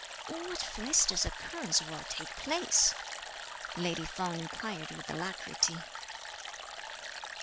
"What felicitous occurrence will take place?" lady Feng inquired with alacrity.